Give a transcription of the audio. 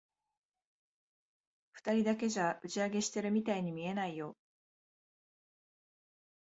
二人だけじゃ、打ち上げしてるみたいに見えないよ。